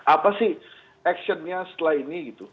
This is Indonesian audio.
apa sih actionnya setelah ini gitu